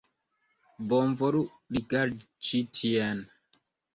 Bonvolu rigardi ĉi tien!